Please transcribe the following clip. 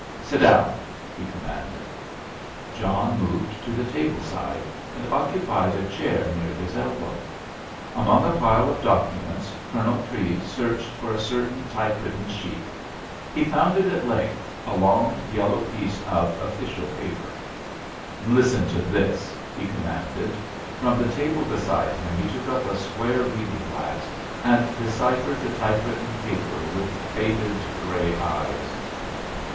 "Sit down," he commanded. John moved to the table side and occupied a chair near his elbow. Among a pile of documents Colonel Treves searched for a certain typewritten sheet. He found it at length, a long, yellow piece of official paper. "Listen to this," he commanded. From the table beside him he took up a square reading glass, and deciphered the typewritten paper with faded grey eyes.